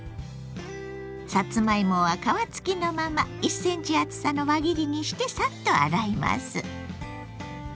さつまいもは皮付きのまま１ｃｍ厚さの輪切りにしてサッと洗います。